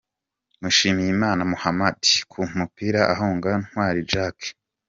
Mushimiyimana Mohammed ku mupira ahunga Ntwari Jacques